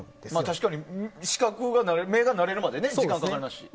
確かに、目が慣れるまで時間がかかりますもんね。